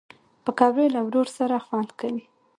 پکورې له ورور سره خوند کوي